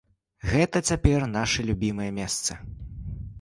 Гэта цяпер нашы любімыя месцы.